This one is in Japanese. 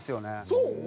そう？